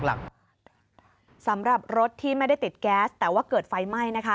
สำหรับรถที่ไม่ได้ติดแก๊สแต่ว่าเกิดไฟไหม้นะคะ